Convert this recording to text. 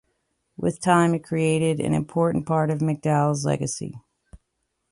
With time, it created an important part of MacDowell's legacy.